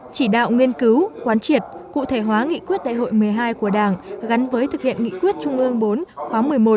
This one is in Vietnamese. chỉ đạo nghiên cứu quán triệt cụ thể hóa nghị quyết đại hội một mươi hai của đảng gắn với thực hiện nghị quyết trung ương bốn khóa một mươi một